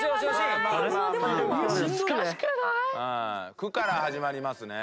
「ク」から始まりますね。